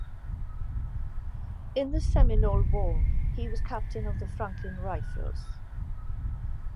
In the Seminole War, he was captain of the Franklin Rifles.